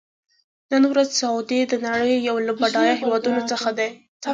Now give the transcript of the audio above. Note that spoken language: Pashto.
نن ورځ سعودي د نړۍ یو له بډایه هېوادونو څخه دی.